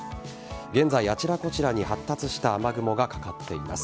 現在、あちらこちらに発達した雨雲がかかっています。